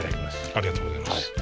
ありがとうございます。